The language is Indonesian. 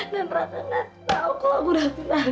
dan raka nggak tahu kalau aku udah tunangkan